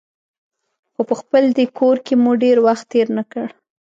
خو په خپل دې کور کې مو ډېر وخت تېر نه کړ.